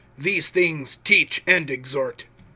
These things teach and exhort.